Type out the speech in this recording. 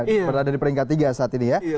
berada di peringkat tiga saat ini ya